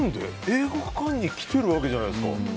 映画館に来ているわけじゃないですか。